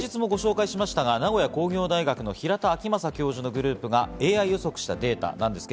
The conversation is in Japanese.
名古屋工業大学の平田正明教授のグループがＡＩ予測したデータです。